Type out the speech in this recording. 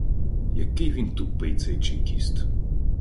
Який він тупий, цей чекіст.